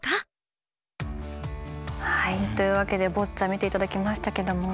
というわけでボッチャ見ていただきましたけども。